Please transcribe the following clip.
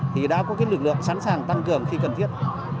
thì đã có lực lượng sẵn sàng tăng cường khi cần thiết